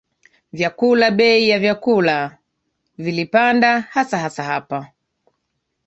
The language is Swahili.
vyakula bei ya vyakula zilipanda hasahasa hapa